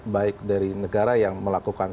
baik dari negara yang melakukan